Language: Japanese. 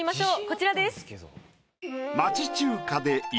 こちらです。